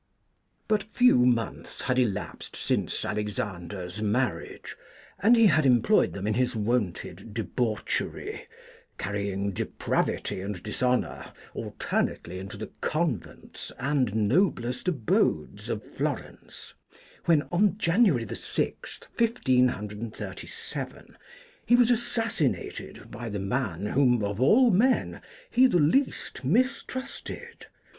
: "But few months had elapsed since Alexander's marriage, and he had employed them in his wonted debauchery, carrying depravity and dishonour alternately into the convents and noblest abodes of Florence, when, on January 6, 1537, he was assassinated by the man whom, of all men, he the least mis trusted.